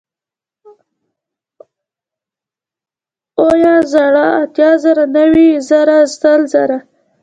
اويه زره ، اتيا زره نوي زره سل زره